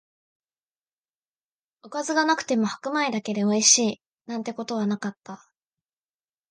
おかずがなくても白米だけでおいしい、なんてことはなかった